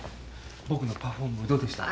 僕のパフォームどうでした？